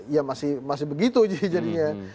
ya masih begitu jadinya